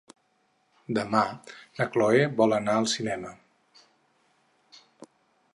Demà na Chloé vol anar al cinema.